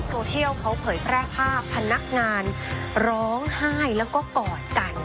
โซเชียลเขาเผยแพร่ภาพพนักงานร้องไห้แล้วก็กอดกัน